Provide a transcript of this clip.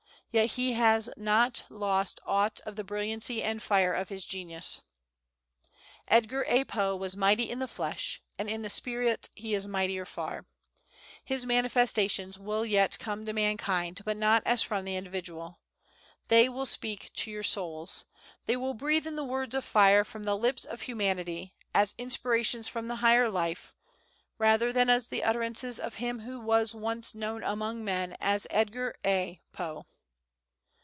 Yet he has not lost aught of the brilliancy and fire of his genius. Edgar A. Poe was mighty in the flesh; and in the spirit he is mightier far. His manifestations will yet come to mankind, but not as from the individual. They will speak to your souls; they will breathe in words of fire from the lips of Humanity, as inspirations from the Higher Life, rather than as the utterances of him who was once known among men as EDGAR A. POE.